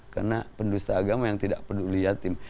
karena pendusta agama yang tidak peduli yatim